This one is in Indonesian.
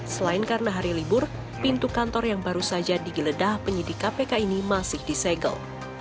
selain karena hari libur pintu kantor yang baru saja digeledah penyidik kpk ini masih disegel